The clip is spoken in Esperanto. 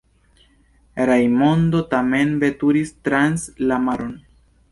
Rajmondo tamen veturis trans la maron.